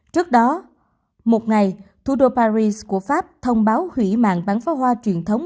trước đó một ngày thủ đô paris của pháp thông báo hủy mạng bán phá hoa truyền thống